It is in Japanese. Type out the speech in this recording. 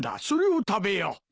それを食べよう。